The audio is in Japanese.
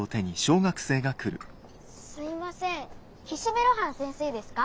スイません岸辺露伴先生ですか？